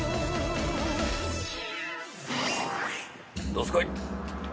どすこい！